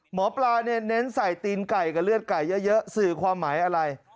หมอปลาเนี่ยเน้นใส่ตีนไก่กับเลือดไก่เยอะสื่อความหมายอะไร